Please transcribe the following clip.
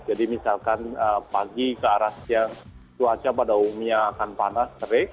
jadi misalkan pagi ke arah siang cuaca pada umumnya akan panas serik